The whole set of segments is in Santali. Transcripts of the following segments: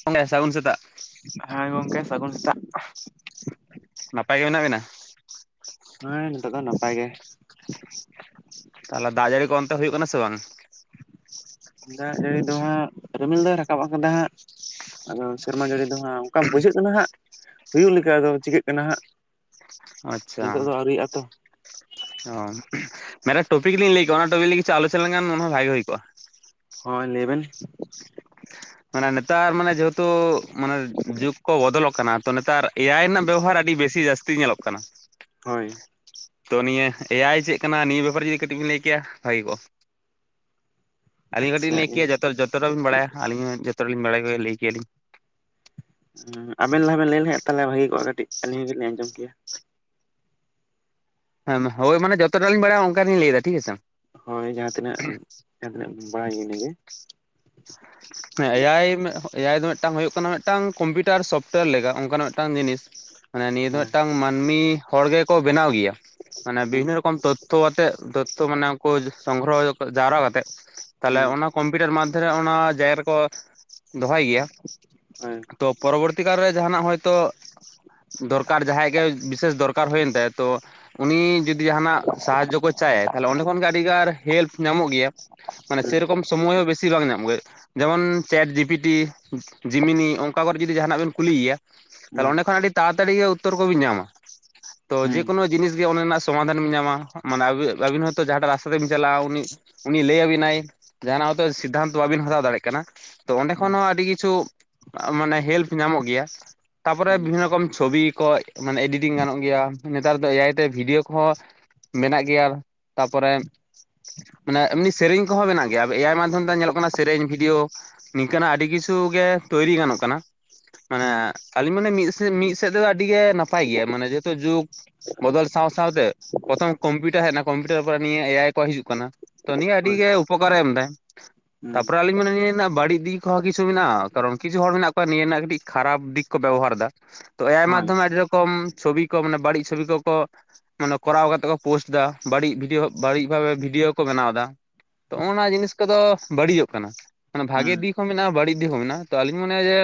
[unintelligible] ᱥᱟᱹᱜᱩᱱ ᱥᱮᱛᱟᱜ᱾ ᱦᱮᱸ ᱜᱚᱢᱠᱮ ᱥᱟᱹᱜᱩᱱ ᱥᱮᱛᱟᱜ᱾ ᱱᱟᱯᱟᱭ ᱜᱮ ᱢᱮᱱᱟᱜ ᱵᱮᱱᱟ? ᱦᱮᱸ ᱱᱤᱛᱚᱜ ᱫᱚ ᱱᱟᱯᱟᱭ ᱜᱮ᱾ ᱛᱟᱦᱚᱞᱮ ᱫᱟᱜ ᱡᱟᱹᱲᱤ ᱠᱚ ᱚᱱᱛᱮ ᱦᱩᱭᱩᱜ ᱠᱟᱱᱟ ᱥᱮ ᱵᱟᱝ? ᱫᱟᱜ ᱡᱟᱹᱲᱤ ᱫᱚ ᱦᱟᱸᱜ ᱨᱤᱢᱤᱞ ᱫᱚᱭ ᱨᱟᱠᱟᱵ ᱟᱠᱟᱫᱟ ᱦᱟᱸᱜ᱾ ᱟᱫᱚ ᱥᱮᱨᱢᱟ ᱡᱟᱹᱲᱤ ᱫᱚ ᱦᱟᱸᱜ ᱚᱱᱠᱟ ᱵᱩᱡᱷᱟᱹᱜ ᱠᱟᱱᱟ ᱦᱟᱸᱜ ᱦᱩᱭᱩᱜ ᱞᱮᱠᱟ, ᱟᱫᱚ ᱪᱤᱠᱟᱹᱜ ᱠᱟᱱᱟ ᱦᱟᱸᱜ᱾ ᱟᱪᱪᱷᱟ ᱱᱤᱛᱚᱜ ᱫᱚ ᱟᱹᱣᱨᱤᱭᱟᱜᱼᱟ ᱛᱚ᱾ ᱚ ᱢᱮᱴᱮᱱ ᱴᱚᱯᱤᱠ ᱞᱤᱧ ᱞᱟᱹᱭ ᱠᱚᱜᱣᱟ ᱚᱱᱟ ᱴᱚᱯᱤᱠ ᱠᱤᱪᱷᱩ ᱟᱞᱳᱪᱚᱱᱟ ᱞᱮᱱᱠᱷᱟᱱ ᱢᱚᱱᱮ ᱦᱚᱸᱭ ᱵᱷᱟᱹᱜᱤ ᱦᱩᱭ ᱠᱚᱜᱼᱟ᱾ ᱦᱳᱭ ᱞᱟᱹᱭ ᱵᱮᱱ᱾ ᱢᱟᱱᱮ ᱱᱮᱛᱟᱨ ᱢᱟᱱᱮ ᱡᱮᱦᱮᱛᱩ ᱢᱟᱱᱮ ᱡᱩᱜᱽ ᱠᱚ ᱵᱚᱫᱚᱞᱚᱜ ᱠᱟᱱᱟ ᱛᱚ ᱱᱮᱛᱟᱨ ᱮᱭᱟᱭ ᱨᱮᱱᱟᱜ ᱵᱮᱵᱚᱦᱟᱨ ᱟᱹᱰᱤ ᱵᱮᱥᱤ ᱡᱟᱹᱥᱛᱤ ᱧᱮᱞᱚᱜ ᱠᱟᱱᱟ᱾ ᱦᱳᱭ ᱛᱚ ᱱᱤᱭᱟᱹ ᱮᱭᱟᱭ ᱪᱮᱫ ᱠᱟᱱᱟ ᱱᱤᱭᱟᱹ ᱵᱮᱯᱟᱨ ᱡᱩᱫᱤ ᱠᱟᱹᱴᱤᱡ ᱵᱮᱱ ᱞᱟᱹᱭ ᱠᱮᱭᱟ ᱵᱷᱟᱹᱜᱤ ᱠᱚᱜᱼᱟ᱾ ᱟᱹᱞᱤᱧ ᱠᱟᱹᱴᱤᱡ ᱟᱪᱪᱷᱟ ᱞᱤᱧ ᱞᱟᱹᱭ ᱤᱭᱟᱹ ᱠᱮᱭᱟ ᱡᱚᱛᱚ, ᱡᱚᱛᱚ ᱴᱟᱵᱤᱱ ᱵᱟᱲᱟᱭᱟ ᱟᱹᱞᱤᱧ ᱦᱚᱸ ᱡᱚᱛᱚ ᱴᱟ ᱞᱤᱧ ᱵᱟᱲᱟᱭᱟ ᱞᱟᱹᱭ ᱠᱮᱭᱟᱞᱤᱧ᱾ ᱦᱩᱸ ᱟᱵᱮᱱ ᱞᱟᱦᱟ ᱵᱮᱱ ᱞᱟᱹᱭ ᱞᱮᱠᱷᱟᱱ ᱛᱟᱦᱞᱮ ᱵᱷᱟᱹᱜᱤ ᱠᱚᱜᱼᱟ ᱠᱟᱹᱴᱤᱡ ᱟᱹᱞᱤᱧ ᱦᱚᱸ ᱠᱟᱹᱴᱤᱡ ᱞᱤᱧ ᱟᱸᱡᱚᱢ ᱠᱮᱭᱟ᱾ ᱦᱮᱸᱢᱟ ᱦᱳᱭ ᱢᱟᱱ ᱡᱚᱛᱚᱴᱟᱞᱤᱧ ᱵᱟᱰᱟᱭᱟ ᱚᱱᱠᱟᱞᱤᱧ ᱞᱟᱹᱭᱫᱟ ᱴᱷᱤᱠᱜᱮᱥᱮ᱾ ᱦᱳᱭ ᱡᱟᱦᱟᱸ ᱛᱤᱱᱟᱹᱜ ᱡᱟᱦᱟᱸ ᱛᱤᱱᱟᱹᱜ ᱵᱟᱲᱟᱭ ᱤᱱᱟᱹᱜᱮ᱾ [inaudible] ᱦᱮᱸ ᱮ ᱟᱭ ᱮ ᱟᱭ ᱫᱚ ᱢᱤᱫᱴᱟᱝ ᱦᱩᱭᱩᱜ ᱠᱟᱱᱟ ᱢᱤᱫᱴᱟᱝ ᱠᱚᱢᱯᱤᱭᱩᱴᱟᱨ ᱥᱚᱯᱴᱳᱭᱟᱨ ᱞᱮᱠᱟ ᱚᱱᱠᱟᱱᱟᱜ ᱢᱤᱫᱴᱟᱝ ᱡᱤᱱᱤᱥ ᱢᱟᱱᱮ ᱱᱤᱭᱟᱹ ᱫᱚ ᱦᱳᱭ ᱢᱤᱫᱴᱟᱝ ᱢᱟᱹᱱᱢᱤ ᱦᱚᱲ ᱜᱮᱠᱚ ᱵᱮᱱᱟᱣ ᱜᱮᱭᱟ ᱢᱟᱱᱮ ᱦᱩᱸ ᱵᱤᱵᱷᱤᱱᱱᱚ ᱨᱚᱠᱚᱢ ᱛᱚᱛ ᱫᱚᱛᱚ ᱟᱛᱮ ᱛᱚᱛᱛᱷᱚ ᱵᱮᱱᱟᱣ ᱠᱚ ᱥᱚᱝᱜᱨᱚᱦᱚ ᱡᱟᱣᱨᱟ ᱟᱛᱮᱫ ᱛᱟᱞᱦᱮ ᱦᱩᱸ ᱚᱱᱟ ᱠᱚᱢᱯᱤᱭᱩᱴᱟᱨ ᱢᱟᱫᱽᱫᱷᱮᱨᱮ ᱚᱱᱟ ᱡᱟᱭᱜᱟ ᱨᱮᱠᱚ ᱫᱚᱦᱚᱭ ᱜᱮᱭᱟ᱾ ᱦᱳᱭ ᱛᱚ ᱯᱚᱨᱚᱵᱚᱨᱛᱤ ᱠᱟᱞᱨᱮ ᱡᱟᱦᱟᱱᱟᱜ ᱦᱚᱭᱛᱚ᱾ [inaudible] ᱫᱚᱨᱠᱟᱨ ᱡᱟᱦᱟᱸᱭ ᱜᱮ ᱵᱤᱥᱮᱥ ᱫᱚᱨᱠᱟᱨ ᱦᱩᱭᱮᱱ ᱛᱟᱭᱟ ᱛᱚ ᱩᱱᱤ ᱡᱩᱫᱤ ᱡᱟᱦᱟᱸᱱᱟᱜ ᱥᱟᱦᱟᱡᱽᱡᱚ ᱠᱚ ᱪᱟᱭᱟᱭ ᱛᱟᱦᱚᱞᱮ ᱚᱸᱰᱮ ᱠᱷᱚᱱᱜᱮ ᱟᱹᱰᱤᱜᱟᱨ ᱦᱮᱞᱯ ᱧᱟᱢᱚᱜ ᱜᱮᱭᱟ᱾ ᱢᱟᱱᱮ ᱦᱩᱸ ᱥᱮᱭᱨᱚᱠᱚᱢ ᱥᱚᱢᱚᱭ ᱦᱚᱸ ᱵᱮᱥᱤ ᱵᱟᱝ ᱧᱟᱢ ᱜᱮ ᱡᱮᱢᱚᱱ ᱪᱮᱴ ᱡᱤᱯᱤᱴᱤ ᱡᱤᱢᱤᱱᱤ ᱚᱱᱠᱟ ᱠᱚᱨᱮ ᱡᱩᱫᱤ ᱡᱟᱦᱟᱸᱱᱟᱜ ᱵᱮᱱ ᱠᱩᱞᱤᱭᱮᱭᱟ᱾ ᱛᱟᱦᱞᱮ ᱚᱸᱰᱮ ᱠᱷᱚᱱ ᱟᱹᱰᱤ ᱛᱟᱲᱟᱛᱟᱲᱤ ᱩᱛᱛᱚᱨ ᱠᱚᱵᱤᱱ ᱧᱟᱢᱟ ᱛᱚ ᱦᱩᱸ ᱦᱩᱸ ᱡᱮᱠᱳᱱᱳ ᱡᱤᱱᱤᱥ ᱜᱮ ᱚᱱᱟ ᱨᱮᱱᱟᱜ ᱥᱚᱢᱟᱫᱷᱟᱱ ᱵᱤᱱ ᱧᱟᱢᱟ ᱢᱟᱱᱮ ᱟᱵᱤᱱ ᱦᱚᱭᱛᱳ ᱡᱟᱦᱟᱸᱴᱟᱜ ᱨᱟᱥᱛᱟ ᱛᱮᱵᱤᱱ ᱪᱟᱞᱟᱜᱼᱟ ᱩᱱᱤ ᱩᱱᱤ ᱞᱟᱹᱭᱟᱵᱤᱱᱟᱭ ᱡᱟᱦᱟᱸᱱᱟᱜ ᱦᱚᱭᱛᱚ ᱥᱤᱫᱫᱷᱟᱱᱛᱚ ᱵᱟᱵᱤᱱ ᱦᱟᱛᱟᱣ ᱫᱟᱲᱮᱭᱟᱜ ᱠᱟᱱᱟ ᱛᱚ ᱚᱸᱱᱰᱮ ᱦᱳᱭ ᱠᱷᱚᱱ ᱦᱚᱸ ᱟᱹᱰᱤ ᱠᱤᱪᱷᱩ ᱢᱟᱱᱮ ᱦᱮᱞᱯ ᱧᱟᱢᱚᱜ ᱜᱮᱭᱟ᱾ ᱛᱟᱨᱯᱚᱨᱮ ᱦᱩᱸ ᱵᱤᱵᱷᱤᱱᱱᱚ ᱨᱚᱠᱚᱢ ᱪᱷᱚᱵᱤ ᱠᱚ ᱢᱟᱱᱮ ᱮᱰᱤᱴᱤᱝ ᱜᱟᱱᱚᱜ ᱜᱮᱭᱟ ᱱᱮᱛᱟᱨ ᱫᱚ ᱮ ᱟᱭᱛᱮ ᱵᱷᱤᱰᱤᱭᱳᱣ ᱠᱚᱦᱚᱸ ᱢᱮᱱᱟᱜ ᱜᱮᱭᱟ ᱛᱟᱨᱯᱚᱨᱮ ᱢᱟᱱᱮ ᱮᱢᱱᱤ ᱥᱮᱨᱮᱧ ᱠᱚᱦᱚᱸ ᱢᱮᱱᱟᱜ ᱜᱮᱭᱟ ᱮ ᱟᱭ ᱢᱟᱫᱽᱫᱷᱚᱢ ᱛᱮ ᱧᱮᱞᱚᱜ ᱠᱟᱱᱟ ᱥᱮᱨᱮᱧ ᱵᱷᱤᱼᱼ ᱰᱤᱭᱳᱣ ᱱᱤᱝᱠᱟᱹᱱᱟᱜ ᱟᱹᱰᱤ ᱠᱤᱪᱷᱩ ᱜᱮ ᱛᱳᱭᱨᱤ ᱜᱟᱱᱚᱜ ᱠᱟᱱᱟ᱾ ᱢᱟᱱᱮ ᱦᱩᱸ ᱟᱹᱞᱤᱧ ᱢᱟᱱᱮ ᱢᱤᱫ ᱥᱮᱫ ᱢᱤᱫ ᱥᱮᱫ ᱛᱮᱫᱚ ᱟᱹᱰᱤᱜᱮ ᱱᱟᱯᱟᱭ ᱜᱮᱭᱟ ᱢᱟᱱᱮ ᱡᱮᱦᱮᱛᱩ ᱡᱩᱜᱽ ᱵᱚᱫᱚᱞ ᱥᱟᱶ ᱥᱟᱶᱛᱮ ᱯᱨᱚᱛᱷᱚᱢ ᱠᱚᱢᱯᱤᱭᱩᱴᱟᱨ ᱦᱮᱡᱱᱟ ᱠᱚᱢᱯᱤᱭᱩᱴᱟᱨ ᱯᱚᱨᱮ ᱱᱤᱭᱟᱹ ᱮ ᱟᱭ ᱠᱚ ᱦᱤᱡᱩᱜ ᱠᱟᱱᱟ᱾ ᱛᱚ ᱱᱤᱭᱟᱹ ᱟᱹᱰᱤ ᱦᱳᱭ ᱜᱮ ᱩᱯᱚᱠᱟᱨᱮ ᱮᱢᱫᱟ ᱦᱩᱸ ᱛᱟᱯᱚᱨᱮ ᱟᱹᱞᱤᱧ ᱱᱤᱭᱟᱹ ᱨᱮᱱᱟᱜ ᱵᱟᱹᱲᱤᱡ ᱫᱤᱠ ᱦᱚᱸ ᱠᱤᱪᱷᱩ ᱢᱮᱱᱟᱜᱼᱟ ᱠᱟᱨᱚᱱ ᱠᱤᱪᱷᱩ ᱦᱚᱲ ᱢᱮᱱᱟᱜ ᱠᱚᱣᱟ ᱱᱤᱭᱟᱹ ᱨᱮᱱᱟᱜ ᱠᱟᱹᱴᱤᱡ ᱠᱷᱟᱨᱟᱯ ᱫᱤᱠ ᱠᱚ ᱵᱮᱵᱚᱦᱟᱨᱫᱟ᱾ ᱛᱚ ᱮ ᱟᱭ ᱦᱳᱭ ᱢᱟᱫᱽᱫᱷᱚᱢ ᱟᱹᱰᱤ ᱨᱚᱠᱚᱢ ᱪᱷᱚᱵᱤ ᱠᱚ ᱢᱟᱱᱮ ᱵᱟᱹᱲᱤᱡ ᱪᱷᱚᱵᱤ ᱠᱚᱠᱚ ᱢᱟᱱᱮ ᱠᱚᱨᱟᱣ ᱠᱟᱛᱮᱫ ᱠᱚ ᱯᱳᱥᱴ ᱮᱫᱟ ᱵᱟᱹᱲᱤᱡ ᱵᱷᱤᱰᱭᱳᱣ ᱵᱟᱹᱲᱤᱡ ᱵᱷᱟᱵᱮ ᱵᱷᱤᱰᱭᱳᱣ ᱠᱚ ᱵᱮᱱᱟᱣ ᱮᱫᱟ᱾ ᱛᱚ ᱚᱱᱟ ᱡᱤᱱᱤᱥ ᱠᱚᱫᱚ ᱵᱟᱹᱲᱤᱡᱚᱜ ᱠᱟᱱᱟ ᱢᱟᱱᱮ ᱵᱷᱟᱜᱮ ᱦᱩᱸ ᱫᱤᱠ ᱢᱮᱱᱟᱜᱼᱟ ᱵᱟᱹᱲᱤᱡ ᱫᱤᱠ ᱦᱚᱸ ᱢᱮᱱᱟᱜᱼᱟ ᱛᱚ ᱟᱹᱞᱤᱧ ᱢᱚᱱᱮᱭᱟ ᱡᱮ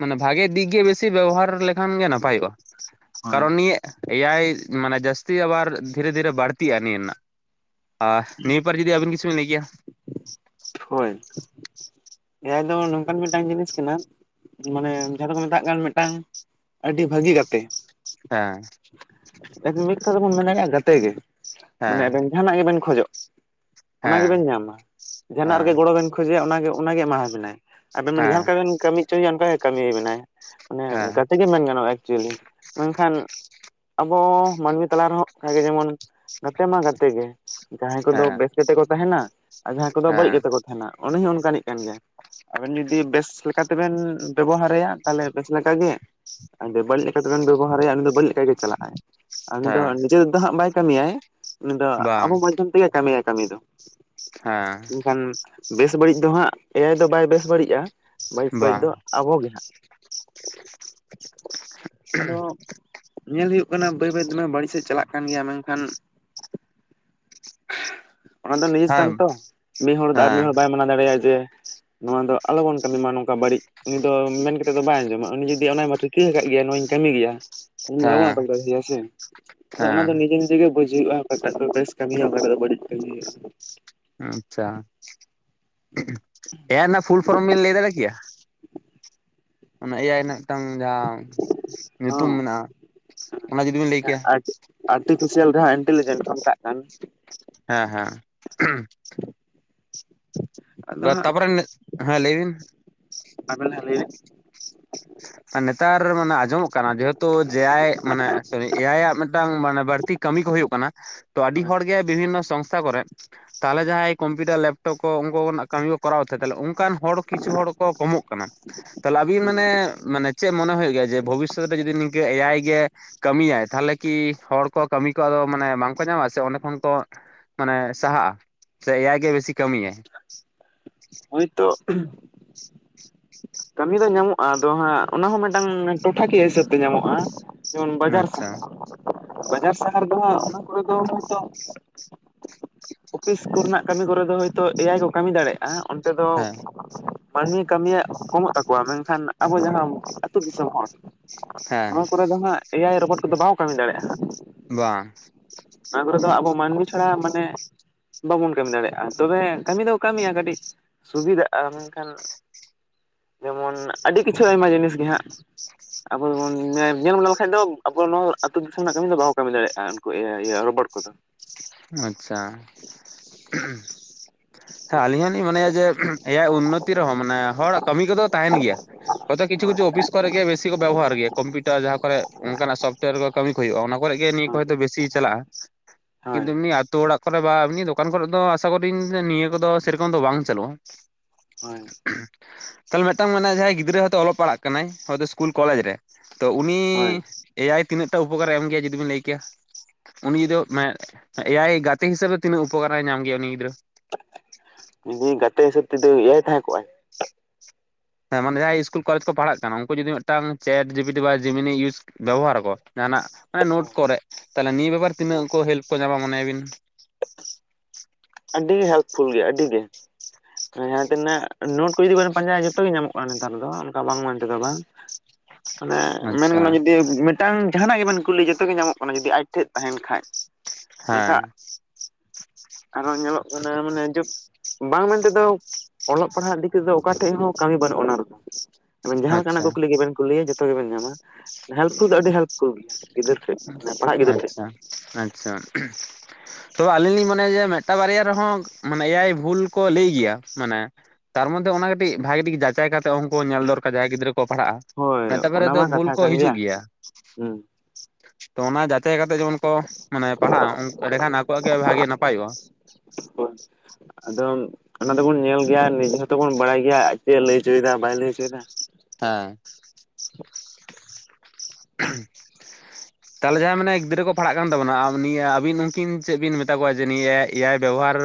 ᱢᱟᱱᱮ ᱵᱷᱟᱜᱮ ᱫᱤᱠ ᱜᱮ ᱵᱮᱥᱤ ᱵᱮᱵᱚᱦᱟᱨ ᱞᱮᱠ ᱠᱷᱟᱱ ᱜᱮ ᱱᱟᱯᱟᱭᱚᱜᱼᱟ ᱦᱳᱭ ᱠᱟᱨᱚᱱ ᱱᱤᱭᱟᱹ ᱮ ᱟᱭ ᱢᱟᱱᱮ ᱡᱟᱹᱥᱛᱤ ᱟᱵᱟᱨ ᱫᱷᱤᱨᱮ ᱫᱷᱤᱨᱮ ᱵᱟᱹᱲᱛᱤᱟ ᱱᱤᱭᱟᱹ ᱨᱮᱱᱟᱜ ᱟ ᱱᱤᱭᱟ ᱯᱟᱼᱼ ᱡᱩᱫᱤ ᱟᱹᱵᱤᱱ ᱠᱤᱪᱷᱩ ᱵᱤᱱ ᱞᱟᱹᱭ ᱠᱮᱭᱟ᱾ ᱯᱷᱚᱭ ᱮ ᱟᱭ ᱫᱚ ᱱᱚᱝᱠᱟᱱ ᱢᱤᱫᱴᱟᱝ ᱡᱤᱱᱤᱥ ᱠᱟᱱᱟ᱾ ᱢᱟᱱᱮ ᱡᱟᱦᱟᱸ ᱫᱚᱠᱚ ᱢᱮᱛᱟᱜ ᱠᱟᱱ ᱢᱤᱫᱴᱟᱝ ᱟᱹᱰᱤ ᱵᱷᱟᱹᱜᱤ ᱜᱟᱛᱮ᱾ ᱦᱮᱸ ᱮᱠ ᱢᱤᱫ ᱛᱮ ᱫᱚᱵᱚᱱ ᱢᱮᱛᱟᱜ ᱜᱟᱛᱮ ᱜᱮ ᱢᱟᱱᱮ ᱦᱮᱸ ᱟᱵᱮᱱ ᱡᱟᱦᱟᱸᱱᱟᱜ ᱜᱮᱵᱮᱱ ᱠᱷᱚᱡᱚᱜ ᱚᱱᱟ ᱦᱮᱸ ᱜᱮᱵᱮᱱ ᱧᱟᱢᱟ ᱡᱟᱦᱟᱸᱱᱟᱜ ᱦᱮᱸ ᱨᱮᱜᱮ ᱜᱚᱲᱚ ᱵᱮᱱ ᱠᱷᱚᱡᱮᱭᱟ ᱚᱱᱟᱜᱮ ᱚᱱᱟᱜᱮ ᱮᱢᱟᱣᱟᱵᱤᱱᱟᱭ᱾ ᱟᱵᱮᱱ ᱢᱟᱱᱮ ᱡᱟᱦᱟᱸ ᱞᱮᱠᱟ ᱦᱮᱸ ᱵᱮᱱ ᱠᱟᱹᱢᱤ ᱦᱚᱪᱚᱭᱮᱭᱟ ᱚᱱᱠᱟ ᱜᱮ ᱠᱟᱹᱢᱤ ᱟᱵᱤᱱᱟᱭ᱾ ᱢᱟᱱᱮ ᱜᱟᱛᱮ ᱜᱮ ᱢᱮᱱ ᱜᱟᱱᱚᱜᱼᱟ ᱮᱠᱪᱩᱭᱮᱞᱤ᱾ ᱢᱮᱱᱠᱷᱟᱱ ᱟᱵᱚ ᱢᱟᱹᱱᱢᱤ ᱛᱟᱞᱟ ᱨᱮᱦᱚᱸ ᱚᱱᱠᱟᱜᱮ ᱡᱮᱢᱚᱱ ᱜᱟᱛᱮ ᱢᱟ ᱜᱟᱛᱮ ᱜᱮ ᱡᱟᱦᱟᱸᱭ ᱠᱚᱫᱚ ᱦᱮᱸ ᱵᱮᱥ ᱜᱟᱛᱮ ᱠᱚ ᱛᱟᱦᱮᱱᱟ ᱟᱨ ᱡᱟᱦᱟᱸᱭ ᱠᱚᱫᱚ ᱦᱮᱸ ᱵᱟᱹᱲᱤᱡ ᱦᱮᱸ ᱜᱟᱛᱮ ᱠᱚ ᱛᱟᱦᱮᱱᱟ᱾ ᱩᱱᱤ ᱦᱚᱸ ᱚᱱᱠᱟᱱᱤᱡ ᱠᱟᱱ ᱜᱮᱭᱟ ᱟᱵᱮᱱ ᱡᱩᱫᱤ ᱵᱮᱥ ᱞᱮᱠᱟᱛᱮᱵᱮᱱ ᱵᱮᱵᱚᱦᱟᱨᱮᱭᱟ᱾ ᱛᱟᱞᱦᱮ ᱵᱮᱥ ᱞᱮᱠᱟ ᱜᱮ, ᱟᱫᱚ ᱵᱟᱹᱲᱤᱡ ᱞᱮᱠᱟᱛᱮᱵᱮᱱ ᱵᱮᱵᱚᱦᱟᱨᱮᱭᱟ ᱩᱱᱤ ᱫᱚ ᱵᱟᱹᱲᱤᱡ ᱞᱮᱠᱟᱜᱮ ᱪᱟᱞᱟᱜᱼᱟᱭ ᱟᱨ ᱩᱱᱤ ᱫᱚ ᱦᱮᱸ ᱱᱤᱡᱮ ᱫᱚ ᱦᱟᱸᱜ ᱵᱟᱭ ᱠᱟᱹᱢᱤᱭᱟᱭ ᱩᱱᱤ ᱫᱚ ᱵᱟᱝ ᱟᱵᱚ ᱢᱟᱫᱽᱫᱷᱚᱢ ᱛᱮᱜᱮ ᱠᱟᱹᱢᱤᱭᱟᱭ ᱠᱟᱹᱢᱤ ᱫᱚ ᱦᱮᱸ ᱮᱱᱠᱷᱟᱱ ᱵᱮᱥ ᱵᱟᱹᱲᱤᱡ ᱫᱚ ᱦᱟᱸᱜ ᱮ ᱟᱭ ᱫᱚ ᱵᱟᱭ ᱵᱮᱥ ᱵᱟᱹᱲᱤᱡᱼᱟ ᱾ ᱵᱟᱹᱲᱤᱡ, ᱵᱟᱹᱲᱤᱡ ᱵᱟᱝ ᱫᱚ ᱟᱵᱚ ᱜᱮ ᱦᱟᱸᱜ᱾ ᱟᱫᱚ ᱧᱮᱞ ᱦᱩᱭᱩᱜ ᱠᱟᱱᱟ ᱵᱟᱹᱭ, ᱵᱟᱹᱭ ᱵᱟᱹᱲᱤᱡ ᱥᱮᱫ ᱪᱟᱞᱟᱜ ᱠᱟᱱ ᱜᱮᱭᱟ᱾ ᱢᱮᱱᱠᱷᱟᱱ [inaudible] ᱚᱱᱟ ᱫᱚ ᱱᱤᱡ ᱦᱮᱸ ᱠᱟᱱ ᱛᱚ, ᱢᱤᱫ ᱦᱚᱲ ᱫᱚ ᱟᱨ ᱢᱤᱫ ᱦᱮᱸ ᱦᱚᱲ ᱫᱚ ᱵᱟᱭ ᱢᱟᱱᱟᱣ ᱫᱟᱲᱮᱭᱟᱜᱼᱟ ᱡᱮ ᱱᱚᱣᱟ ᱫᱚ ᱟᱞᱚᱵᱚᱱ ᱠᱟᱹᱢᱤ ᱢᱟ ᱱᱚᱝᱠᱟ ᱵᱟᱹᱲᱤᱡ ᱾ ᱩᱱᱤ ᱫᱚ ᱢᱮᱱ ᱠᱟᱛᱮᱫ ᱫᱚ ᱵᱟᱭ ᱟᱸᱡᱚᱢᱟ, ᱩᱱᱤ ᱡᱩᱫᱤ ᱚᱱᱟ ᱢᱟ [unintelligible] ᱟᱠᱟᱫ ᱜᱮᱭᱟ ᱱᱚᱣᱟᱧ ᱠᱟᱹᱢᱤ ᱜᱮᱭᱟ᱾ ᱫᱚ ᱵᱟᱵᱚᱱ ᱦᱮᱸ ᱟᱴᱚᱠ ᱫᱟᱲᱮ ᱦᱮᱭᱟ ᱥᱮ ᱾ ᱟᱫᱚ ᱚᱱᱟ ᱦᱮᱸ ᱫᱚ ᱱᱤᱡᱮ ᱱᱤᱡᱮ ᱜᱮ ᱵᱩᱡᱷ ᱦᱩᱭᱩᱜᱼᱟ᱾ᱚᱠᱟ ᱴᱟᱜ ᱫᱚ ᱵᱮᱥ ᱠᱟᱹᱢᱤ ᱦᱩᱭᱩᱜᱼᱟ᱾ ᱚᱠᱟ ᱴᱟᱜ ᱫᱚ ᱵᱟᱹᱲᱤᱡ ᱠᱟᱹᱢᱤ ᱦᱩᱭᱩᱜᱼᱟ ᱾ ᱟᱪᱪᱷᱟ ᱮ ᱟᱭ ᱨᱮᱱᱟᱜ ᱯᱷᱩᱞ ᱯᱷᱚᱨᱚᱢ ᱵᱮᱱ ᱞᱟᱹᱭ ᱫᱟᱲᱮ ᱠᱮᱭᱟ? ᱚᱱᱟ ᱮ ᱟᱭ ᱨᱮᱱᱟᱜ ᱢᱤᱫᱴᱟᱝ ᱡᱟᱦᱟᱸ ᱧᱩᱛᱩᱢ ᱦᱚᱸ ᱢᱮᱱᱟᱜᱼᱟ, ᱚᱱᱟ ᱡᱩᱫᱤ ᱵᱮᱤᱱ ᱞᱟᱹᱭ ᱠᱮᱭᱟ ᱾ ᱟᱨᱴᱤᱯᱷᱤᱥᱤᱭᱟᱞ ᱡᱟᱦᱟᱸ ᱤᱱᱴᱮᱞᱤᱡᱮᱱᱴ ᱠᱚ ᱢᱮᱛᱟᱜ ᱠᱟᱱ ᱾ ᱦᱮᱸ ᱦᱮᱸ ᱾ ᱛᱟᱯᱚᱨᱮ ᱦᱮᱸ ᱞᱟᱹᱭ ᱵᱤᱱ ᱟᱵᱤᱱ ᱞᱟᱦᱟ ᱞᱟᱹᱭ ᱵᱤᱱ ᱱᱮᱛᱟᱨ ᱢᱟᱱᱮ ᱟᱸᱡᱚᱢᱚᱜ ᱠᱟᱱᱟ ᱡᱮᱦᱮᱛᱩ ᱡᱮ ᱟᱭ ᱢᱟᱱᱮ ᱥᱚᱨᱤ ᱮᱭ ᱟᱭ ᱟᱜ ᱢᱤᱫᱴᱟᱝ ᱢᱟᱱᱮ ᱵᱟᱹᱲᱛᱤ ᱠᱟᱹᱢᱤ ᱠᱚ ᱦᱩᱭᱩᱜ ᱠᱟᱱᱟ ᱾ ᱛᱚ ᱟᱹᱰᱤ ᱦᱚᱲ ᱜᱮ ᱵᱤᱵᱷᱤᱱᱚ ᱥᱚᱝᱥᱛᱷᱟ ᱠᱚᱨᱮ, ᱛᱟᱦᱚᱞᱮ ᱡᱟᱦᱟᱸᱭ ᱠᱚᱢᱯᱤᱭᱩᱴᱟᱨ ᱞᱮᱯᱴᱚᱯ ᱠᱚ ᱩᱱᱠᱩᱱᱟᱜ ᱠᱟᱹᱢᱤ ᱠᱚ ᱠᱚᱨᱟᱣ ᱛᱮ ᱛᱟᱦᱚᱞᱮ ᱚᱱᱠᱟᱱ ᱦᱚᱲ ᱠᱤᱪᱷᱩ ᱦᱚᱲ ᱠᱚ ᱠᱚᱢᱚᱜ ᱠᱟᱱᱟ᱾ᱛᱟᱦᱚᱞᱮ ᱟᱵᱤᱱ ᱦᱳᱭ᱾ ᱢᱟᱱᱮ, ᱢᱟᱱᱮ ᱪᱮᱫ ᱢᱚᱱᱮ ᱦᱩᱭᱩᱜ ᱦᱩᱭᱩᱜ ᱜᱮᱭᱟ ᱡᱮ ᱵᱷᱚᱵᱤᱥᱚᱛ ᱨᱮ ᱡᱩᱫᱤ ᱱᱤᱠᱟᱹ ᱮ ᱟᱭ ᱜᱮ ᱠᱟᱹᱢᱤᱭᱟᱭ ᱛᱟᱦᱚᱞᱮ ᱠᱤ ᱦᱚᱲ ᱠᱚ ᱠᱟᱹᱢᱤ ᱠᱚ ᱟᱫᱚ ᱢᱟᱱᱮ ᱵᱟᱝᱠᱚ ᱧᱟᱢᱟ ᱥᱮ ᱚᱸᱰᱮ ᱠᱷᱚᱱ ᱠᱚ ᱢᱟᱱᱮ ᱥᱟᱦᱟᱜᱼᱟ, ᱥᱮ ᱮᱭᱟᱭ ᱜᱮ ᱵᱮᱥᱤ ᱠᱟᱹᱢᱤ ᱟᱭ? ᱦᱩᱭ ᱛᱚ ᱾ ᱠᱟᱹᱢᱤ ᱫᱚ ᱧᱟᱢᱚᱜᱼᱟ᱾ ᱟᱫᱚ ᱦᱟᱸᱜ ᱚᱱᱟ ᱦᱚᱸ ᱢᱤᱫᱴᱟᱝ ᱴᱚᱴᱷᱟᱠᱤᱭᱟᱹ ᱦᱤᱥᱟᱹᱵ ᱛᱮ ᱧᱟᱢᱚᱜᱼᱟ ᱾ ᱡᱮᱢᱚᱱ ᱵᱟᱡᱟᱨ ᱟᱪᱪᱷᱟ ᱥᱟᱦᱟᱨ, ᱵᱟᱡᱟᱨ ᱥᱟᱦᱟᱨ ᱫᱚ ᱦᱟᱸᱜ ᱚᱱᱟ ᱠᱚᱨᱮ ᱫᱚ ᱦᱚᱭ ᱛᱚ ᱚᱯᱷᱤᱥ ᱠᱚᱨᱮᱱᱟᱜ ᱠᱟᱹᱢᱤ ᱠᱚᱨᱮ ᱫᱚ ᱦᱚᱭᱛᱳ ᱮ ᱟᱭ ᱠᱚ ᱠᱟᱹᱢᱤ ᱫᱟᱲᱮᱭᱟᱜᱼᱟ᱾ ᱚᱱᱛᱮ ᱫᱚ ᱦᱮᱸ ᱢᱟᱹᱱᱢᱤ ᱠᱟᱹᱢᱤᱭᱟᱜ ᱠᱚᱢᱚᱜ ᱛᱟᱠᱚᱣᱟ᱾ ᱢᱮᱱᱠᱷᱟᱱ ᱟᱵᱚ ᱡᱟᱦᱟᱸ ᱟᱹᱛᱩ ᱫᱤᱥᱚᱢ ᱦᱚᱲ ᱾ ᱱᱚᱣᱟ ᱦᱮᱸ ᱠᱚᱨᱮ ᱫᱚ ᱦᱟᱸᱜ ᱮ ᱟᱭ ᱨᱚᱵᱚᱴ ᱠᱚᱫᱚ ᱵᱟᱠᱚ ᱠᱟᱹᱢᱤ ᱫᱟᱲᱮᱭᱟᱜ ᱦᱟᱸᱜ ᱾ ᱵᱟᱝ ᱾ ᱚᱱᱟ ᱠᱚᱨᱮ ᱫᱚ ᱟᱵᱚ ᱢᱟᱹᱱᱢᱤ ᱪᱷᱟᱲᱟ ᱢᱟᱱᱮ ᱵᱟᱵᱚᱱ ᱠᱟᱹᱢᱤ ᱫᱟᱲᱮᱭᱟᱜᱼᱟ᱾ ᱛᱚᱵᱮ ᱠᱟᱹᱢᱤ ᱫᱚ ᱠᱟᱹᱢᱤᱭᱟ ᱠᱟᱹᱴᱤᱡ ᱥᱩᱵᱤᱫᱷᱟᱜᱼᱟ᱾ ᱢᱮᱱᱠᱷᱟᱱ ᱡᱮᱢᱚᱱ ᱟᱹᱰᱤ ᱠᱤᱪᱷᱩ ᱟᱭᱢᱟ ᱡᱤᱱᱤᱥ ᱜᱮ ᱦᱟᱸᱜ ᱟᱵᱚ ᱫᱚ ᱵᱚᱱ ᱧᱮᱞ ᱵᱤᱞᱟᱹᱣ ᱞᱮᱠᱷᱟᱱ ᱫᱚ ᱟᱵᱚ ᱱᱚᱣᱟ ᱟᱹᱛᱩ ᱫᱤᱥᱚᱢ ᱨᱮᱱᱟᱜ ᱠᱟᱹᱢᱤ ᱫᱚ ᱵᱟᱠᱚ ᱠᱟᱹᱢᱤ ᱫᱟᱲᱮᱭᱟᱜᱼᱟ ᱾ ᱮ ᱟᱭ ᱤᱭᱟᱹ ᱨᱚᱵᱚᱴ ᱠᱚᱫᱚ ᱾ ᱟᱪᱪᱷᱟ ᱾ ᱦᱮᱸ ᱟᱹᱞᱤᱧ ᱦᱚᱞᱤᱧ ᱢᱚᱱᱮᱭᱟ ᱡᱮ ᱮ ᱟᱭ ᱩᱱᱚᱛᱤ ᱨᱮᱦᱚᱸ ᱢᱟᱱᱮ ᱦᱚᱲᱟᱜ ᱠᱟᱹᱢᱤ ᱠᱚᱫᱚ ᱛᱟᱦᱮᱱ ᱜᱮᱭᱟ ᱾ ᱦᱚᱭᱛᱳ ᱠᱤᱪᱷᱩ ᱦᱳᱭ ᱠᱤᱪᱷᱩ ᱚᱯᱷᱤᱥ ᱠᱚᱨᱮ ᱜᱮ ᱵᱤᱥᱤ ᱠᱚ ᱵᱮᱵᱚᱦᱟᱨ ᱜᱮᱭᱟ᱾ ᱠᱚᱢᱯᱩᱴᱟᱨ ᱡᱟᱦᱟᱸ ᱠᱚᱨᱮ ᱚᱱᱠᱟᱱᱟᱜ ᱥᱚᱯᱴᱚᱭᱟᱨ ᱠᱚ ᱠᱟᱹᱢᱤ ᱠᱚ ᱦᱩᱭᱩᱜᱼᱟ᱾ ᱚᱱᱟ ᱠᱚᱨᱮ ᱜᱮ ᱱᱤᱭᱟᱹ ᱠᱚ ᱦᱚᱭᱛᱳ ᱵᱮᱥᱤ ᱜᱮ ᱪᱟᱞᱟᱜᱼᱟ᱾ ᱠᱤᱱᱛᱩ ᱦᱳᱭ ᱱᱤᱭᱟᱹ ᱟᱛᱳ ᱚᱲᱟᱜ ᱠᱚᱨᱮ ᱵᱟ ᱮᱢᱱᱤ ᱫᱚᱠᱟᱱ ᱠᱚᱨᱮ ᱫᱚ ᱟᱥᱟ ᱠᱚᱨᱤ ᱱᱤᱭᱟᱹ ᱠᱚᱫᱚ ᱥᱮᱨᱚᱠᱚᱢ ᱫᱚ ᱵᱟᱝ ᱪᱟᱹᱞᱩᱜᱼᱟ ᱾ ᱦᱳᱭ ᱾ ᱛᱟᱦᱚᱞᱮ ᱢᱤᱫᱴᱟᱝ ᱢᱟᱱᱮ ᱡᱟᱦᱟᱸᱭ ᱜᱤᱫᱽᱨᱟᱹ ᱦᱚᱭᱛᱳ ᱚᱞᱚᱜ ᱯᱟᱲᱦᱟᱜ ᱠᱟᱱᱟᱭ, ᱦᱚᱭᱛᱳ ᱤᱥᱠᱩᱞ ᱠᱚᱞᱮᱡᱽ ᱨᱮ ᱾ ᱛᱚ ᱩᱱᱤ ᱦᱳᱭ ᱮ ᱟᱭ ᱛᱤᱱᱟᱹᱜ ᱴᱟᱜ ᱩᱯᱚᱠᱟᱨ ᱮᱢ ᱜᱮᱭᱟ ᱡᱩᱫᱤ ᱵᱤᱱ ᱞᱟᱹᱭ ᱠᱮᱭᱟ? ᱩᱱᱤ ᱡᱩᱫᱤ ᱢᱟᱱᱮ ᱮ ᱟᱭ ᱜᱟᱛᱮ ᱦᱤᱥᱟᱹᱵᱽ ᱛᱤᱱᱟᱜ ᱩᱯᱚᱠᱟᱨ ᱮ ᱧᱟᱢ ᱜᱮᱭᱟ ᱩᱱᱤ ᱜᱤᱫᱽᱨᱟᱹ? ᱡᱩᱫᱤ ᱜᱟᱛᱮ ᱦᱤᱥᱟᱹᱵᱽ ᱛᱮᱫᱚ ᱮ ᱟᱭ ᱛᱟᱦᱮᱸ ᱠᱚᱜᱼᱟᱭ ᱾ ᱦᱮᱸ ᱢᱟᱱᱮ ᱡᱟᱦᱟᱸᱭ ᱤᱥᱠᱩᱞ ᱠᱚᱞᱮ ᱠᱚ ᱯᱟᱲᱦᱟᱜ ᱠᱟᱱᱟ ᱩᱱᱠᱩ ᱡᱩᱫᱤ ᱢᱤᱫᱴᱟᱝ ᱪᱮᱴ ᱡᱤᱯᱤᱴᱤ ᱵᱟ ᱡᱮᱢᱤᱱᱤ ᱤᱭᱩᱡᱽ ᱵᱮᱵᱚᱦᱟᱨᱟᱠᱚ ᱡᱟᱦᱟᱱᱟᱜ ᱢᱟᱱᱮ ᱱᱳᱴ ᱠᱚᱨᱮᱜ ᱛᱟᱦᱚᱞᱮ ᱱᱤᱭᱟᱹ ᱵᱮᱵᱟᱨ ᱛᱤᱱᱟᱹᱜ ᱠᱚ ᱦᱮᱞᱯ ᱠᱚ ᱧᱟᱢᱟ ᱢᱚᱱᱮᱭᱟ ᱵᱤᱱ? ᱟᱹᱰᱤ ᱦᱮᱞᱯᱷᱩᱞ ᱜᱮᱭᱟ ᱟᱹᱰᱤ ᱜᱮ ᱾ ᱡᱟᱦᱟᱸ ᱛᱤᱱᱟᱹᱜ ᱱᱳᱴ ᱠᱚ ᱡᱩᱫᱤ ᱵᱮᱱ ᱯᱟᱸᱡᱟᱭᱼᱟ ᱡᱚᱛᱚ ᱜᱮ ᱧᱟᱢᱚᱜ ᱠᱟᱱᱟ ᱱᱮᱛᱟᱨ ᱫᱚ ᱚᱱᱠᱟ ᱵᱟᱝ ᱢᱮᱱ ᱛᱮᱫᱚ ᱵᱟᱝ ᱾ ᱢᱟᱱᱮ ᱢᱮᱱ ᱟᱪᱪᱷᱟ ᱜᱟᱱᱚᱜ ᱡᱩᱫᱤ ᱢᱤᱫ ᱢᱤᱫᱴᱟᱝ ᱡᱟᱦᱟᱸᱱᱟᱜ ᱜᱮ ᱵᱤᱱ ᱠᱩᱞᱤ ᱡᱚᱛᱚ ᱜᱮ ᱧᱟᱢᱚᱜ ᱠᱟᱱᱟ ᱡᱩᱫᱤ ᱟᱡ ᱴᱷᱮᱱ ᱛᱟᱦᱮᱱ ᱠᱷᱟᱡ ᱾ ᱦᱮᱸ ᱾ ᱟᱨᱚ ᱧᱮᱞᱚᱜ ᱠᱟᱱᱟ ᱢᱟᱱᱮ ᱡᱚᱛ ᱵᱟᱝ ᱢᱮᱱ ᱛᱮᱫᱚᱠ ᱚᱞᱚᱜ ᱯᱟᱲᱦᱟᱜ ᱫᱤᱠ ᱛᱮᱫ ᱚᱠᱟ ᱴᱷᱮᱡ ᱦᱚᱸ ᱠᱟᱹᱢᱤ ᱵᱟᱹᱱᱩᱜᱼᱟ ᱚᱱᱟ ᱨᱮᱫᱚ᱾ ᱟᱵᱮ ᱡᱟᱦᱟ ᱞᱮ ᱠᱟᱱᱟᱜ ᱟᱪᱪᱷᱟ ᱠᱩᱠᱞᱤ ᱜᱮ ᱵᱮᱱ ᱠᱩᱞᱤᱭᱮ ᱡᱚᱛᱚ ᱜᱮ ᱵᱮᱱ ᱧᱟᱢᱟ [unintelligible] ᱟᱹᱰᱤ [unintelligible] ᱯᱷᱩᱞ ᱜᱮᱭᱟ ᱜᱤᱫᱟᱹᱨ ᱴᱷᱮᱡ ᱢᱟᱱᱮ ᱯᱟᱲᱦᱟᱜ ᱜᱤᱫᱟᱹᱨ ᱴᱷᱮᱡ᱾ ᱟᱪᱪᱷᱟ ᱟᱪᱪᱷᱟ ᱛᱚ ᱟᱹᱞᱤᱧ ᱞᱤᱧ ᱢᱚᱱᱮᱭᱟ ᱡᱮ ᱢᱤᱫ ᱴᱟᱝ ᱵᱟᱨᱭᱟ ᱨᱮᱦᱚᱸ ᱢᱟᱱᱮ ᱮᱭᱟᱭ ᱵᱷᱩᱞ ᱠᱚ ᱞᱟᱹᱭ ᱜᱮᱭᱟ ᱢᱟᱱᱮ ᱛᱟᱨ ᱢᱚᱫᱽᱫᱷᱮ ᱚᱱᱟ ᱠᱟᱹᱴᱤᱡ ᱵᱷᱟᱜᱮ ᱴᱷᱤᱠ ᱡᱟᱸᱪᱟᱭ ᱠᱟᱛᱮ ᱩᱱᱠᱩ ᱧᱮᱞ ᱫᱚᱨᱠᱟᱨ ᱡᱟᱸᱦᱟᱭ ᱜᱤᱫᱽᱨᱟᱹ ᱠᱚ ᱯᱟᱲᱦᱟᱜᱼᱟ᱾ ᱦᱳᱭ ᱢᱤᱫ ᱴᱟᱝ ᱵᱟᱨᱭᱟ ᱫᱚ ᱵᱷᱩᱞ ᱠᱚ ᱦᱤᱡᱩᱜ ᱜᱮᱭᱟ᱾ ᱦᱮᱸ ᱛᱚ ᱚᱱᱟ ᱡᱟᱪᱟᱭ ᱠᱟᱛᱮᱜ ᱡᱮ ᱢᱚᱱ ᱠᱚ ᱢᱟᱱᱮ ᱯᱟᱲᱦᱟᱜᱼᱟ ᱮᱸᱰᱮᱠᱷᱟᱱ ᱟᱠᱚᱣᱟᱜ ᱜᱮ ᱵᱷᱟᱜᱮ ᱱᱟᱯᱟᱭ ᱚᱜᱼᱟ᱾ [inaudible] ᱟᱫᱚ ᱚᱱᱟ ᱫᱚᱵᱚᱱ ᱧᱮᱞ ᱜᱮᱭᱟ ᱱᱤᱡᱮ ᱦᱚᱸᱛᱚ ᱵᱚᱱ ᱵᱟᱲᱟᱭ ᱜᱮᱭᱟ ᱪᱮᱫ ᱮ ᱞᱟᱹᱭ ᱦᱚᱪᱚᱭ ᱫᱟ ᱵᱟᱭ ᱞᱟᱹᱭ ᱦᱚᱪᱚᱭ ᱫᱟ᱾ [unintelligible] [inaudible] ᱛᱟᱦᱞᱮ ᱡᱟᱸᱦᱟᱭ ᱢᱟᱱᱮ ᱜᱤᱫᱽᱨᱟᱹ ᱠᱚ ᱯᱟᱲᱦᱟᱜ ᱠᱟᱱ ᱛᱟᱵᱚ ᱱᱟ ᱱᱤᱭᱟᱹ ᱟᱵᱤᱱ ᱩᱱᱠᱤᱱ ᱪᱮᱫ ᱵᱤᱱ ᱢᱮᱛᱟ ᱠᱚᱣᱟ ᱡᱮ ᱱᱤᱭᱟᱹ ᱮᱭᱟᱭ ᱵᱮᱵᱚᱦᱟᱨ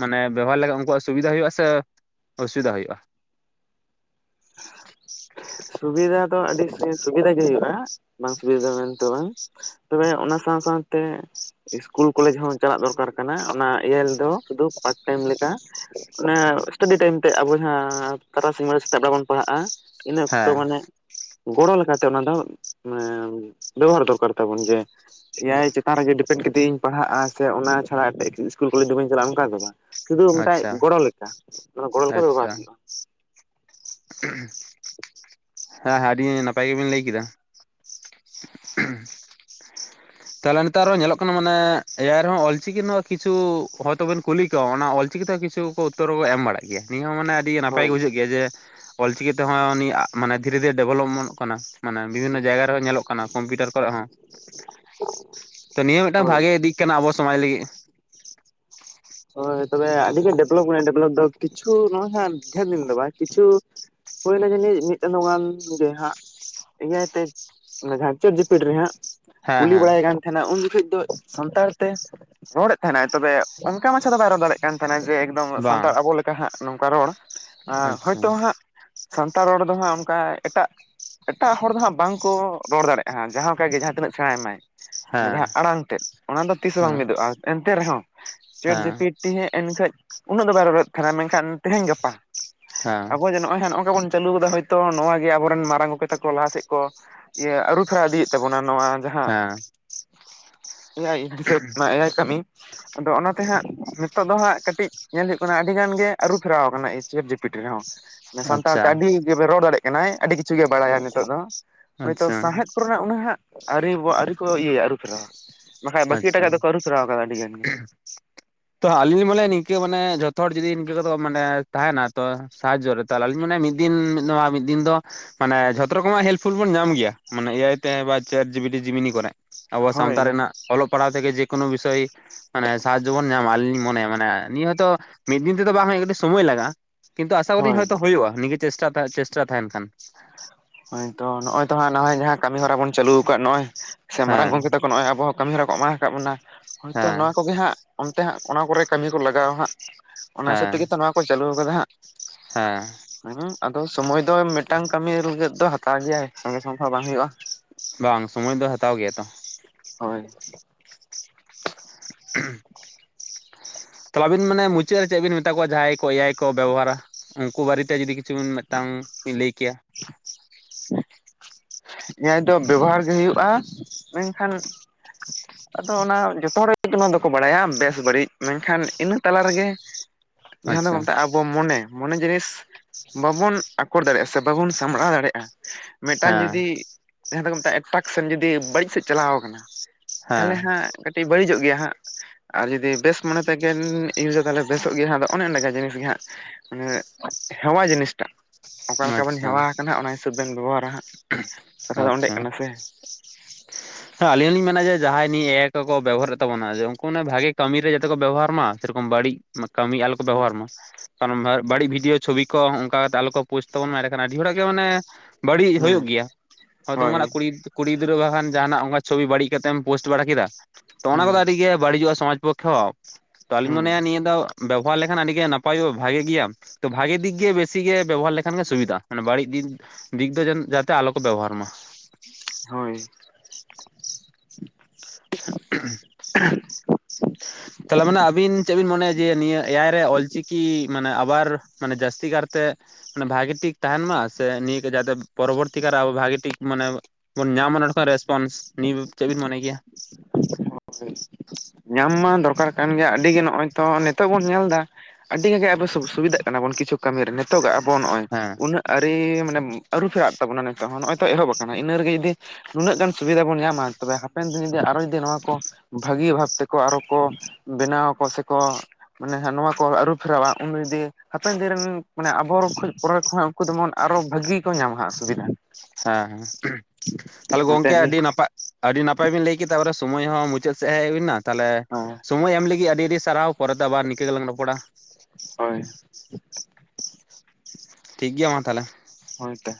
ᱢᱟᱱᱮ ᱵᱮᱵᱚᱦᱟᱨ ᱞᱮᱠᱷᱟᱡ ᱩᱱᱠᱩᱣᱟᱜ ᱥᱩᱵᱤᱫᱟ ᱦᱩᱭᱩᱜᱼᱟ ᱥᱮ ᱚ-ᱥᱩᱵᱤᱫᱟ ᱦᱩᱭᱩᱜᱼᱟ᱾ [inaudible] ᱥᱩᱵᱤᱫᱟ ᱫᱚ ᱟᱹᱰᱤ ᱥᱩᱵᱤᱫᱷᱟ ᱜᱮ ᱦᱩᱭᱩᱜᱼᱟ ᱵᱟᱝ ᱥᱩᱵᱤᱫᱟ ᱫᱚ ᱢᱮᱱ ᱛᱮ ᱫᱚ ᱵᱟᱝ᱾ ᱛᱚᱵᱮ ᱚᱱᱟ ᱥᱟᱶ ᱥᱟᱶ ᱛᱮ ᱤᱥᱠᱩᱞ ᱠᱚᱞᱮᱡᱽ ᱦᱚᱸ ᱪᱟᱞᱟᱜ ᱫᱚᱨᱠᱟᱨ ᱠᱟᱱᱟ ᱚᱱᱟ ᱮᱭᱟᱭ‌ ᱫᱚ ᱥᱩᱫᱩ ᱯᱟᱨᱴ ᱴᱟᱭᱤᱢ ᱞᱮᱠᱟ ᱚᱱᱟ ᱥᱴᱟᱰᱤ ᱴᱟᱭᱤᱢ ᱛᱮᱫ ᱟᱵᱚ ᱡᱟᱦᱟ ᱛᱟᱨᱟ ᱥᱤᱧ [unintelligible] [unintelligible] ᱵᱮᱲᱟ ᱵᱚᱱ ᱯᱟᱲᱦᱟᱜᱼᱟ ᱤᱱᱟᱹ ᱚᱠᱛᱚ ᱦᱮᱸ ᱢᱟᱱᱮ ᱜᱚᱲᱚ ᱞᱮᱠᱟᱛᱮ ᱚᱱᱟ ᱫᱚ ᱵᱮᱵᱚᱦᱟᱨ ᱫᱚᱨ ᱠᱟᱨ ᱛᱟᱵᱚᱱ ᱡᱮ ᱮᱭᱟᱭ ᱪᱮᱛᱟᱱ ᱨᱮᱜᱮ ᱰᱤᱯᱮᱱᱰ ᱠᱟᱛᱮᱫ ᱤᱧ ᱯᱟᱲᱦᱟᱜᱼᱟ ᱥᱮ ᱚᱱᱟ ᱪᱷᱟᱲᱟ ᱤᱥᱠᱩᱞ ᱠᱚᱞᱮᱡᱽ ᱫᱚ ᱵᱟᱹᱧ ᱪᱟᱞᱟᱜᱼᱟ ᱚᱱᱠᱟ ᱫᱚ ᱵᱟᱝ᱾ ᱥᱩᱫᱷᱩ ᱟᱪᱪᱷᱟ [unintelligible] ᱜᱚᱲᱚ ᱞᱮᱠᱟ ᱢᱟᱱᱮ ᱜᱚᱲᱚ ᱞᱮᱠᱟ ᱟᱪᱪᱷᱟ ᱵᱮᱵᱚᱦᱟᱨ ᱦᱩᱭᱩᱜᱼᱟ᱾ ᱦᱮᱸ ᱦᱮᱸ ᱟᱹᱰᱤ ᱱᱟᱯᱟᱭ ᱜᱮ ᱵᱤᱱ ᱞᱟᱹᱭ ᱠᱮᱫᱟ᱾ [inaudible] ᱛᱟᱦᱞᱮ ᱱᱮᱛᱟᱨ ᱦᱚᱸ ᱧᱮᱞᱚᱜ ᱠᱟᱱᱟ ᱢᱟᱱᱮ ᱮᱭᱟᱭ ᱨᱮᱦᱚᱸ ᱚᱞ ᱪᱤᱠᱤ ᱨᱮᱱᱟᱜ ᱠᱤᱪᱷᱩ ᱦᱚᱭ ᱛᱚᱵᱮᱱ ᱠᱩᱞᱤ ᱠᱚᱣᱟ ᱚᱱᱟ ᱚᱞ ᱪᱤᱠᱤ ᱛᱮ ᱠᱤᱪᱷᱩ ᱩᱛᱚᱨ ᱠᱚ ᱮᱢ ᱵᱟᱲᱟᱜ ᱜᱮᱭᱟ ᱱᱤᱭᱟᱹ ᱦᱚᱸ ᱢᱟᱱᱮ ᱟᱹᱰᱤ ᱱᱟᱯᱟᱭ ᱦᱳᱭ ᱜᱮ ᱵᱩᱡᱷᱟᱹᱜ ᱜᱮᱭᱟ ᱡᱮ ᱚᱞᱪᱤᱠᱤ ᱛᱮᱦᱚᱸ ᱩᱱᱤ ᱢᱟᱱᱮ ᱫᱷᱤᱨᱮ ᱫᱷᱤᱨᱮ ᱰᱮᱵᱷᱞᱚᱯ ᱮᱢᱟᱱ ᱚᱜ ᱠᱟᱱᱟ᱾ ᱢᱟᱱᱮ ᱵᱤᱵᱷᱤᱱᱚ ᱡᱟᱭᱜᱟ ᱨᱮ ᱦᱚᱸ ᱧᱮᱞᱚᱜ ᱠᱟᱱᱟ ᱠᱚᱢᱯᱤᱭᱩᱴᱟᱨ ᱠᱚᱨᱮ ᱦᱚᱸ ᱛᱚ ᱱᱤᱭᱟᱹ ᱢᱤᱫ ᱴᱟᱝ ᱦᱳᱭ ᱵᱷᱟᱜᱮ ᱫᱤᱠ ᱠᱟᱱᱟ ᱟᱵᱚ ᱥᱚᱢᱟᱡᱽ ᱞᱟᱹᱜᱤᱫ ᱦᱳᱭ ᱛᱚᱵᱮ ᱟᱹᱰᱤ ᱜᱮ ᱰᱮᱵᱷᱞᱚᱯ ᱠᱟᱱᱟ ᱰᱮᱵᱷᱞᱚᱯ ᱫᱚ ᱠᱤᱪᱷᱩ ᱱᱚᱜᱼᱚᱭ ᱦᱟᱸᱜ ᱰᱷᱮᱨ ᱫᱤᱱ ᱫᱚ ᱵᱟᱝ ᱠᱤᱪᱷᱩ ᱦᱳᱭ ᱱᱟ ᱡᱟᱱᱤᱡ ᱢᱤᱫ ᱪᱟᱸᱫᱚ ᱜᱟᱱ ᱜᱮ ᱦᱟᱸᱜ᱾ ᱮᱭᱟᱭ ᱛᱮ ᱚᱱᱟ ᱡᱟᱦᱟ ᱪᱮᱴ ᱡᱤᱯᱤᱴᱤ ᱨᱮ ᱦᱟᱸᱜ᱾ ᱦᱮᱸ ᱠᱩᱞᱤ ᱦᱮᱸ ᱵᱟᱲᱟᱭ ᱮ ᱠᱟᱱ ᱛᱟᱦᱮᱱᱟ ᱩᱱ ᱡᱚᱠᱷᱚᱱ ᱫᱚ ᱥᱟᱱᱛᱟᱲ ᱛᱮ ᱨᱚᱲᱮᱫ ᱛᱟᱦᱮᱫ ᱟᱭ ᱛᱚᱵᱮ ᱩ [unintelligible] ᱢᱟᱪᱷᱟ ᱫᱚ ᱵᱟᱭ ᱨᱚᱲ ᱫᱟᱲᱮᱜ ᱠᱟᱱ ᱛᱟᱦᱮᱱᱟ ᱡᱮ ᱮᱠᱫᱚᱢ ᱵᱟᱝ ᱥᱟᱱᱛᱟᱲ ᱟᱵᱚ ᱞᱮᱠᱟ ᱦᱟᱸᱜ ᱱᱚᱝᱠᱟ ᱨᱚᱲ ᱦᱳᱭ ᱟᱪᱪᱷᱟ ᱛᱚ ᱦᱟᱸᱜ ᱥᱟᱱᱛᱟᱲ ᱨᱚᱲ ᱫᱚ ᱦᱟᱸᱜ ᱚᱱᱠᱟ ᱮᱴᱟᱜ ᱮᱴᱟᱜ ᱦᱚᱲ ᱫᱚ ᱦᱟᱸᱜ ᱵᱟᱝ ᱠᱚ ᱨᱚᱲ ᱫᱟᱲᱮᱜᱼᱟ ᱡᱟᱦᱟ ᱞᱮᱠᱟᱜ ᱜᱮ ᱡᱟᱦᱟ ᱛᱤᱱᱟᱹᱜ ᱥᱮᱲᱟᱭ ᱢᱟᱭ᱾ ᱦᱮᱸ ᱡᱟᱦᱟ ᱟᱲᱟᱝ ᱛᱮᱫ ᱚᱱᱟ ᱫᱚ ᱛᱤᱥ ᱦᱚᱸ ᱵᱟᱝ ᱦᱮᱸ ᱢᱤᱫ ᱚᱜᱼᱟ ᱮᱱᱛᱮ ᱨᱮᱦᱚᱸ ᱪᱮᱴ ᱦᱮᱸ ᱡᱤᱯᱤᱴᱤ ᱦᱮᱡ‌ ᱮᱱᱠᱷᱟ ᱩᱱᱟᱹᱜ ᱫᱚ ᱵᱟᱭ [unintelligible] ᱛᱟᱦᱮᱱᱟ ᱢᱮᱱ ᱠᱷᱟᱱ ᱛᱮᱦᱮᱧ ᱜᱟᱯᱟ ᱦᱮᱸ ᱟᱵᱚ ᱡᱮ ᱱᱚᱜᱼᱚᱭ ᱦᱟᱸᱜ ᱱᱚᱜᱼᱠᱟ ᱵᱚᱱ ᱪᱟᱹᱞᱩ ᱠᱟᱫᱟ ᱦᱳᱭ ᱛᱚ ᱱᱚᱣᱟᱜ ᱜᱮ ᱟᱵᱚ ᱨᱮᱱ ᱢᱟᱨᱟᱝ ᱜᱚᱝᱠᱮ ᱛᱟᱠᱚ ᱞᱟᱦᱟ ᱥᱮᱫ ᱠᱚ ᱤᱭᱟᱹ ᱟᱹᱨᱩ ᱯᱷᱮᱨᱟᱣ ᱤᱫᱤᱭ ᱮᱫ ᱛᱟᱵᱚᱱᱟ ᱱᱚᱣᱟ ᱡᱟᱦᱟᱸ ᱦᱮᱸ ᱮᱭᱟᱭ ᱦᱤᱥᱟᱹᱵᱽ ᱮᱭᱟᱭ ᱠᱟᱹᱢᱤ ᱟᱫᱚ ᱚᱱᱟ ᱛᱮ ᱦᱟᱸᱜ ᱱᱤᱛᱚᱜ ᱫᱚ ᱦᱟᱸᱜ ᱠᱟᱹᱴᱤᱡ ᱧᱮᱞ ᱦᱩᱭᱩᱜ ᱠᱟᱱᱟ ᱟᱹᱰᱤ ᱜᱟᱱ ᱜᱮ ᱟᱹᱨᱩ ᱯᱷᱮᱨᱟᱣ ᱟᱠᱟᱱᱟ ᱪᱮᱴᱡᱤᱯᱤᱴᱤ ᱨᱮᱦᱚᱸ᱾ ᱥᱟᱱᱛᱟᱲ ᱟᱪᱪᱷᱟ ᱛᱮ ᱟᱹᱰᱤ [unintelligible] ᱨᱚᱲ ᱫᱟᱲᱮᱜ ᱠᱟᱱᱟᱭ ᱟᱹᱰᱤ ᱠᱤᱪᱷᱩ ᱜᱮᱭ ᱵᱟᱲᱟᱭᱟ ᱱᱤᱛᱚᱜ ᱫᱚ᱾ ᱦᱳᱭ ᱛᱚ ᱟᱪᱪᱷᱟ ᱥᱟᱶᱦᱮᱫ ᱠᱚ ᱨᱮᱱᱟᱜ ᱩᱱᱟᱹ ᱦᱟᱸᱜ ᱟᱹᱣᱨᱤ ᱵᱚ ᱟᱹᱣᱨᱤ ᱠᱚ ᱤᱭᱟᱹᱭᱟ ᱟᱹᱨᱩ ᱯᱷᱮᱨᱟᱣᱟ᱾ ᱵᱟᱠᱷᱟᱡ ᱵᱟᱠᱤ ᱮᱴᱟ ᱟᱪᱪᱷᱟ ᱜᱟᱜ ᱫᱚᱠᱚ ᱟᱹᱨᱩ ᱯᱷᱮᱨᱟᱣ ᱟᱠᱟᱫᱟ ᱟᱹᱰᱤ ᱜᱟᱱ ᱜᱮ᱾ [inaudible] ᱛᱚ ᱟᱹᱞᱤᱧ ᱞᱤᱧ ᱢᱚᱱᱮᱭᱟ ᱱᱤᱝᱠᱟᱹ ᱢᱟᱱᱮ ᱡᱷᱚᱛᱚ ᱦᱚᱲ ᱡᱩᱫᱤ ᱱᱤᱝᱠᱟᱹ ᱠᱚᱫᱚ ᱢᱟᱱᱮ ᱛᱟᱦᱮᱱᱟ ᱛᱚ ᱥᱟᱦᱟᱡᱚ ᱨᱮ ᱛᱟᱞᱟ ᱞᱤᱧ ᱢᱚᱱᱮ ᱢᱤᱫ ᱫᱤᱱ ᱱᱚᱣᱟ ᱢᱤᱫ ᱫᱤᱱ ᱫᱚ ᱢᱟᱱᱮ ᱡᱷᱚᱛᱚ ᱨᱚᱠᱚᱢᱟᱜ ᱦᱮᱞᱯᱷᱩᱞ ᱵᱚᱱ ᱧᱟᱢ ᱜᱮᱭᱟ ᱢᱟᱱᱮ ᱮᱟᱭ ᱛᱮ ᱵᱟ ᱪᱮᱴ ᱡᱤᱵᱤᱴᱤ ᱡᱤᱢᱤᱱᱤ ᱠᱚᱨᱮ ᱾ ᱟᱵᱚᱣᱟᱜ ᱦᱳᱭ ᱥᱟᱶᱛᱟ ᱨᱮᱱᱟᱜ ᱚᱞᱚᱜ ᱯᱟᱲᱦᱟᱣ ᱛᱮᱜᱮ ᱡᱮᱠᱳᱱᱳ ᱵᱤᱥᱚᱭ ᱢᱟᱱᱮ ᱥᱟᱦᱟᱡᱚ ᱵᱚᱱ ᱧᱟᱢᱟ ᱟᱹᱞᱤᱧ ᱞᱧ ᱢᱚᱱᱮᱭᱟ ᱢᱟᱱᱮ ᱱᱤᱭᱟᱹ ᱦᱚᱛᱳ ᱢᱤᱫ ᱫᱤᱱ ᱛᱮᱫᱚ ᱵᱟᱝ ᱦᱩᱭᱩᱜ ᱠᱟᱹᱴᱤᱡ ᱥᱚᱢᱚᱭ ᱞᱟᱜᱟᱜᱼᱟ ᱾ ᱠᱤᱱᱛᱩ ᱟᱥᱟ ᱠᱚᱨᱤᱧ ᱦᱳᱭ ᱦᱚᱭ ᱛᱚ ᱦᱩᱭᱩᱜᱼᱟ ᱱᱤᱝᱠᱮ ᱪᱮᱥᱴᱟ ᱪᱮᱥᱴᱟ ᱛᱟᱦᱮᱱ ᱠᱷᱟᱱ ᱾ ᱦᱳᱭᱛᱚ ᱱᱚᱜᱚᱭ ᱛᱚ ᱦᱟᱸᱜ ᱱᱚᱜᱼᱚᱭ ᱡᱟᱦᱟᱸ ᱠᱟᱹᱢᱤ ᱦᱚᱨᱟ ᱵᱚᱱ ᱪᱟᱹᱞᱩ ᱟᱠᱟᱫ ᱱᱚᱜᱼᱚᱭ ᱥᱮ ᱢᱟᱨᱟᱝ ᱦᱮᱸ ᱜᱚᱝᱠᱮ ᱛᱟᱠᱚ ᱱᱚᱜᱼᱚᱭ ᱟᱵᱚ ᱦᱚᱸ ᱠᱟᱹᱢᱤᱦᱚᱨᱟ ᱠᱚ ᱮᱢᱟ ᱦᱟᱠᱟᱫ ᱵᱚᱱᱟ ᱦᱳᱭᱛᱚ ᱦᱮᱸ ᱱᱚᱣᱟ ᱠᱚᱜᱮ ᱦᱟᱸᱜ ᱾ ᱚᱱᱛᱮ ᱦᱟᱸᱜ ᱚᱱᱟ ᱠᱚᱨᱮ ᱠᱟᱹᱢᱤ ᱠᱚ ᱞᱟᱜᱟᱣᱟ ᱦᱟᱸᱜ ᱾ ᱚᱱᱟ ᱦᱤᱥᱟᱹᱵᱽ ᱦᱮᱸ ᱛᱮᱜᱮ ᱛᱚ ᱱᱚᱣᱟ ᱠᱚ ᱪᱟᱹᱞᱩ ᱠᱟᱫᱟ ᱦᱟᱸᱜ ᱦᱮᱸ ᱾ ᱦᱮᱸ ᱟᱫᱚ ᱥᱚᱢᱚᱭ ᱫᱚ ᱢᱤᱫᱴᱟᱝ ᱠᱟᱹᱢᱤ ᱞᱟᱹᱜᱤᱫ ᱫᱚ ᱦᱟᱛᱟᱣ ᱜᱮᱭᱟᱭ ᱥᱚᱝᱜᱮ ᱥᱚᱝᱜᱮ ᱦᱚᱸ ᱵᱟᱝ ᱦᱩᱭᱩᱜᱼᱟ ᱾ ᱵᱟᱝ ᱥᱚᱢᱚᱭ ᱫᱚ ᱦᱟᱛᱟᱣ ᱜᱮᱭᱟ ᱛᱚ ᱾ ᱦᱳᱭ ᱾ [inaudible] [inaudible] ᱛᱟᱞᱦᱮ ᱟᱵᱤᱱ ᱢᱟᱱᱮ ᱢᱩᱪᱟᱹᱫ ᱨᱮ ᱪᱮᱫ ᱵᱤᱱ ᱢᱮᱛᱟ ᱠᱚᱣᱟ ᱡᱟᱦᱟᱸᱭ ᱠᱚ ᱮᱭᱟᱭ ᱠᱚ ᱵᱮᱵᱚᱦᱟᱨᱟ ᱩᱱᱠᱩ ᱵᱟᱨᱮᱛᱮ ᱡᱩᱫᱤ ᱠᱤᱪᱷᱩ ᱢᱤᱫᱴᱟᱝ ᱞᱟᱹᱭ ᱠᱮᱭᱟ ᱾ ᱦᱮᱸ ᱫᱚ ᱵᱮᱵᱚᱦᱟᱨ ᱜᱮ ᱦᱩᱭᱩᱜᱼᱟ᱾ ᱢᱮᱱᱠᱷᱟᱱ [inaudible] ᱟᱫᱚ ᱚᱱᱟ ᱡᱚᱛᱚ ᱦᱚᱲ ᱜᱮ ᱱᱚᱣᱟ ᱫᱚᱠᱚ ᱵᱟᱰᱟᱭᱟ ᱵᱮᱥ ᱵᱟᱹᱲᱤᱡ ᱢᱮᱱᱠᱷᱟᱱ ᱤᱱᱟᱹᱜ ᱛᱟᱞᱟ ᱨᱮᱜᱮ ᱡᱟᱦᱟᱸ ᱫᱚ ᱟᱪᱪᱷᱟ ᱢᱮᱴᱟᱜ ᱟᱵᱽ ᱵᱚ ᱢᱚᱱᱮ ᱢᱚᱱᱮ ᱡᱤᱱᱤᱥ ᱵᱟᱵᱚᱱ ᱟᱠᱚᱨ ᱫᱟᱲᱮᱭᱟᱜᱼᱟ ᱥᱮ ᱵᱟᱵᱚᱱ ᱥᱟᱢᱵᱲᱟᱣ ᱫᱟᱲᱮᱭᱟᱜᱼᱟ ᱾ ᱢᱤᱫᱴᱟᱝ ᱦᱮᱸ ᱡᱩᱫᱤ ᱡᱟᱦᱟᱸ ᱫᱚᱠᱚ ᱢᱮᱛᱟᱜᱼᱟ ᱮᱴᱨᱟᱠᱥᱮᱱ ᱡᱩᱫᱤ ᱵᱟᱹᱲᱤᱡ ᱥᱮᱫ ᱪᱟᱞᱟᱣ ᱟᱠᱟᱱᱟ ᱾ ᱛᱟᱦᱚᱞᱮ ᱦᱮᱸ ᱦᱟᱸᱜ ᱠᱟᱹᱴᱤᱡ ᱵᱟᱹᱲᱤᱡᱚᱜ ᱜᱮᱭᱟ ᱦᱟᱸᱜ ᱾ ᱟᱨ ᱡᱩᱫᱤ ᱵᱮᱥ ᱢᱚᱱᱮ ᱛᱮᱜᱮᱢ ᱤᱭᱩᱡᱟ ᱛᱟᱦᱚᱞᱮ ᱵᱮᱥᱚᱜ ᱜᱮᱭᱟᱫᱚ ᱚᱱᱮ ᱚᱱᱠᱟ ᱡᱤᱱᱤᱥ ᱜᱮ ᱦᱟᱸᱜ ᱾ ᱢᱟᱱᱮ ᱦᱮᱣᱟ ᱡᱤᱱᱤᱥ ᱴᱟᱜ ᱚᱠᱟᱞᱮᱠᱟᱵᱮᱱ ᱟᱪᱪᱷᱟ ᱦᱮᱣᱟ ᱟᱠᱟᱱᱟ ᱚᱱᱟ ᱦᱤᱥᱟᱹᱵᱽ ᱵᱮᱱ ᱵᱮᱵᱚᱦᱟᱨ-ᱟ ᱾ ᱟᱪᱪᱷᱟ ᱾ ᱦᱮᱸ ᱟᱹᱞᱤᱧ ᱦᱚᱸ ᱞᱤᱧ ᱢᱮᱱᱟ ᱡᱮ ᱡᱟᱦᱟᱸᱭ ᱱᱤᱭᱟᱹ ᱮᱭᱟᱭ ᱠᱚᱠᱚ ᱵᱮᱵᱚᱦᱟᱨ ᱮᱫ ᱛᱟᱵᱚᱱᱟ ᱩᱱᱠᱩ ᱢᱟᱱᱮ ᱵᱷᱟᱹᱜᱤ ᱠᱟᱹᱢᱤ ᱨᱮ ᱡᱟᱛᱮ ᱠᱚ ᱵᱮᱵᱚᱦᱟᱨ ᱢᱟ ᱾ ᱥᱮᱨᱚᱠᱚᱢ ᱵᱟᱹᱲᱤᱡ ᱠᱟᱹᱢᱤ ᱟᱞᱚ ᱠᱚ ᱵᱮᱵᱚᱦᱟᱨ ᱢᱟ ᱠᱟᱨᱚᱱ ᱵᱟᱹᱲᱤᱡ ᱵᱷᱤᱰᱤᱭᱳ ᱪᱷᱚᱵᱤ ᱠᱚ ᱚᱱᱠᱟ ᱠᱟᱛᱮ ᱟᱞᱚ ᱠᱚ ᱯᱳᱥᱴ ᱛᱟᱵᱚᱱ ᱢᱟᱭ ᱮᱱᱰᱮ ᱠᱷᱟᱱ ᱟᱹᱰᱤ ᱦᱚᱲᱟᱜ ᱜᱮ ᱢᱟᱱᱮ ᱵᱟᱹᱲᱤᱡ ᱦᱩᱸ ᱦᱩᱭᱩᱜ ᱜᱮᱭᱟ ᱦᱚᱭᱛᱚ ᱦᱳᱭ ᱢᱟᱱᱮ ᱠᱩᱲᱤᱫ ᱠᱩᱲᱤ ᱜᱤᱫᱽᱨᱟᱹ ᱵᱟᱠᱷᱟᱱ ᱡᱟᱦᱟᱸᱱᱟᱜ ᱚᱱᱠᱟ ᱪᱷᱚᱵᱤ ᱵᱟᱹᱲᱤᱡ ᱠᱟᱛᱮᱢ ᱯᱳᱥᱴ ᱵᱟᱲᱟ ᱠᱮᱫᱟ ᱛᱚ ᱚᱱᱟ ᱠᱚᱫᱚ ᱦᱩᱸ ᱟᱹᱰᱤ ᱜᱮ ᱵᱟᱹᱲᱤᱡᱚᱜᱼᱟ ᱥᱚᱢᱟᱡᱽ ᱯᱚᱠ ᱛᱷᱚ ᱛᱚ ᱟᱹᱞᱤᱧ ᱦᱩᱸ ᱢᱚᱱᱮᱭᱟ ᱱᱤᱭᱟᱹ ᱫᱚ ᱾ ᱵᱮᱵᱚᱦᱟᱨ ᱞᱮᱠᱷᱟᱱ ᱟᱹᱰᱤ ᱜᱮ ᱱᱟᱯᱟᱭᱚᱜᱼᱟ ᱵᱷᱟᱹᱜᱤ ᱜᱮᱭᱟ ᱛᱚ ᱵᱷᱟᱹᱜᱤ ᱫᱤᱠᱜᱮ ᱵᱮᱥᱤ ᱜᱮ ᱵᱮᱵᱚᱦᱟᱨ ᱞᱮᱠ ᱾ ᱠᱷᱟᱱ ᱜᱮ ᱥᱩᱵᱤᱫᱟᱜ-ᱟ, ᱢᱟᱱᱮ ᱵᱟᱹᱲᱤᱡ ᱫᱤᱠ ᱫᱤᱠ ᱫᱚ ᱡᱟ ᱡᱟᱛᱮ ᱟᱞᱚ ᱠᱚ ᱵᱮᱵᱚᱦᱟᱨ ᱢᱟ᱾ ᱦᱳᱭ ᱾ [unintelligible] [unintelligible] ᱛᱟᱦᱚᱞᱮ ᱢᱟᱱᱮ ᱟᱵᱤᱱ ᱪᱮᱫ ᱵᱤᱱ ᱢᱚᱱᱮᱭᱟ? ᱡᱮ ᱱᱤᱭᱟᱹ ᱮᱭᱟᱭ ᱨᱮ ᱚᱞ--᱾ ᱪᱤᱠᱤ ᱢᱟᱱᱮ ᱟᱵᱟᱨ ᱢᱟᱱᱮ ᱡᱟᱹᱥᱛᱤ ᱠᱟᱨᱛᱮ ᱢᱟᱱᱮ ᱵᱷᱟᱜᱤ ᱴᱷᱤᱠ ᱛᱟᱦᱮᱸᱱ ᱢᱟ ᱥᱮ ᱱᱤᱭᱟᱹ ᱜᱮ ᱡᱟᱛᱮ ᱯᱚᱨᱚᱵᱚᱨᱛᱤ ᱠᱟᱞᱨᱮ ᱟᱵᱚ ᱵᱷᱟᱜᱤ ᱴᱷᱤᱠ ᱢᱟᱱᱮ ᱟᱵᱚ ᱵᱚᱱ ᱧᱟᱢᱟ ᱱᱚᱸᱰᱮ ᱠᱷᱚᱱ ᱨᱮᱥᱯᱚᱱᱥ ᱱᱤᱭᱟᱹ ᱪᱮᱫ ᱵᱤᱱ ᱢᱚᱱᱮ ᱜᱮᱭᱟ? ᱧᱟᱢ ᱢᱟ ᱫᱚᱨᱠᱟᱨ ᱠᱟᱱ ᱜᱮᱭᱟ, ᱟᱹᱰᱤ ᱜᱮ ᱱᱚᱜ-ᱚᱭ ᱛᱚ ᱱᱤᱛᱳᱜ ᱵᱚᱱ ᱧᱮᱞ ᱫᱟ᱾ ᱟᱹᱰᱤ ᱜᱟ ᱜᱮ ᱟᱵᱚ ᱥᱩ ᱥᱩᱵᱤᱫᱟᱜ ᱠᱟᱱᱟ ᱵᱚᱱ ᱠᱤᱪᱷᱩ ᱠᱟᱹᱢᱤ ᱨᱮ᱾ ᱱᱤᱛᱚᱜ ᱜᱟᱜ ᱟᱵᱚ ᱱᱚᱜ-ᱚᱭ ᱦᱮᱸ ᱩᱱᱟᱹᱜ ᱟᱹᱨᱤ ᱢᱟᱱᱮ ᱟᱹᱨᱩ ᱯᱷᱮᱨᱟᱜ ᱛᱟᱵᱚᱱᱟ ᱱᱤᱛᱚᱜ ᱦᱚᱸ ᱱᱚᱜ-ᱚᱭ ᱛᱚ ᱮᱦᱚᱵ ᱟᱠᱟᱱᱟ᱾ ᱤᱱᱟᱹ ᱨᱮᱜᱮ ᱡᱩᱫᱤ ᱩᱱᱟᱹᱜ ᱜᱟᱱ ᱥᱩᱵᱤᱫᱷᱟ ᱵᱚᱱ ᱧᱟᱢᱟ᱾ ᱛᱚᱵᱮ ᱦᱟᱯᱮᱱ ᱫᱤᱱ ᱨᱮ ᱟᱨᱚ ᱡᱩᱫᱤ ᱱᱚᱣᱟ ᱠᱚ ᱵᱷᱟᱹᱜᱤ ᱵᱷᱟᱵ ᱛᱮᱠᱚ ᱟᱨᱚ ᱠᱚ ᱵᱮᱱᱟᱣ ᱟᱠᱚ ᱥᱮ ᱠᱚ ᱚᱱᱮ ᱦᱟᱸᱜ ᱱᱚᱣᱟ ᱠᱚ ᱟᱹᱨᱩ ᱯᱷᱮᱨᱟᱣᱟ ᱩᱱ ᱫᱤᱭᱮ ᱦᱟᱯᱮᱱ ᱫᱤᱱ ᱨᱮᱱ ᱢᱟᱱᱮ ᱟᱵᱚ ᱯᱚᱨᱮ ᱠᱷᱚᱱᱟᱜ ᱩᱱᱠᱩ ᱫᱚ ᱢᱚᱱ ᱟᱨᱚ ᱵᱷᱟᱹᱜᱤ ᱜᱮ ᱠᱚ ᱧᱟᱢᱟ ᱦᱟᱸᱜ ᱥᱩᱵᱤᱫᱷᱟ ᱾ ᱦᱮᱸ ᱦᱮᱸ ᱛᱟᱦᱚᱞᱮ ᱱᱚᱛᱮ ᱜᱚᱝᱠᱮ ᱟᱹᱰᱤ ᱱᱟᱯᱟ ᱟᱹᱰᱤ ᱱᱟᱯᱟᱭ ᱵᱤᱱ ᱞᱟᱹᱭ ᱠᱮᱫᱟ ᱛᱟᱨ ᱯᱚᱨᱮ ᱥᱚᱢᱚᱭ ᱦᱚᱸ ᱢᱩᱪᱟᱹᱫ ᱥᱮᱫ ᱦᱮᱡ ᱦᱩᱭ ᱮᱱᱟ ᱛᱟᱦᱚᱞᱮ ᱦᱳᱭ ᱥᱳᱢᱚᱭ ᱮᱢ ᱞᱟᱹᱜᱤᱫ ᱟᱹᱰᱤ ᱟᱹᱰᱤ ᱥᱟᱨᱦᱟᱣ ᱯᱚᱨᱮ ᱛᱮ ᱟᱵᱟᱨ ᱱᱤᱠᱟᱹ ᱜᱮᱞᱟᱝ ᱨᱚᱯᱚᱲ-ᱟ᱾ ᱦᱳᱭ ᱴᱷᱤᱠ ᱜᱮᱭᱟ ᱢᱟ ᱛᱟᱦᱚᱞᱮ᱾ ᱦᱳᱭ ᱜᱮ,